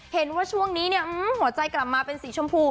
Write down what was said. เห็นว่าช่วงนี้เนี่ยหัวใจกลับมาเป็นสีชมพู